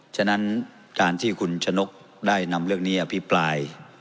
ฉะนั้นการที่คุณชะนกได้นำเรื่องนี้อภิปราย